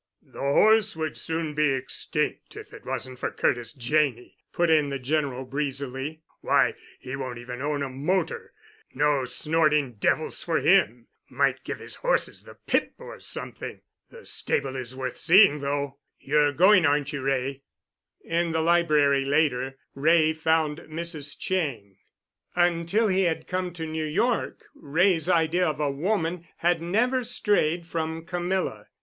"The horse would soon be extinct if it wasn't for Curtis Janney," put in the General breezily. "Why, he won't even own a motor. No snorting devils for him. Might give his horses the pip or something. The stable is worth seeing, though. You're going, aren't you, Wray?" In the library, later, Wray found Mrs. Cheyne. Until he had come to New York Wray's idea of a woman had never strayed from Camilla.